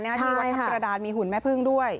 ที่วัดทัพกระดานมีหุ่นแม่พึ่งด้วย